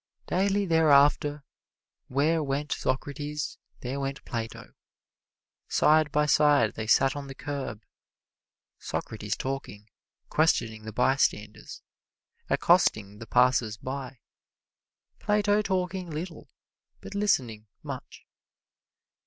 Daily thereafter, where went Socrates there went Plato. Side by side they sat on the curb Socrates talking, questioning the bystanders, accosting the passers by; Plato talking little, but listening much.